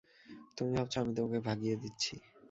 তুমি ভাবছ আমি তোমাকে ভাগিয়ে দিচ্ছি।